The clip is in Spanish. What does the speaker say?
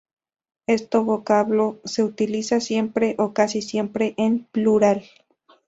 Este vocablo se utiliza siempre o casi siempre en plural.